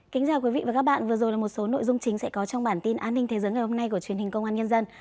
kính chào quý vị và các bạn vừa rồi là một số nội dung chính sẽ có trong bản tin an ninh thế giới ngày hôm nay của truyền hình công an nhân dân